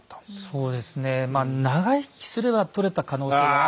そうですねまあ長生きすれば取れた可能性はあるんですけど。